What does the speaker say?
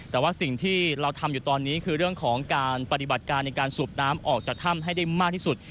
แต่ว่าสิ่งที่เราทำอยู่ตอนนี้คือเรื่องของการปฏิบัติการในการสูบน้ำออกจากถ้ำให้ได้มากที่สุด